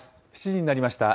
７時になりました。